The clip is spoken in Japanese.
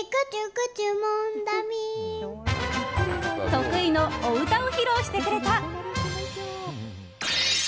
得意のお歌を披露してくれた。